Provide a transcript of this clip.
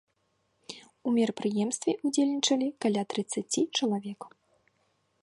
У мерапрыемстве ўдзельнічалі каля трыццаці чалавек.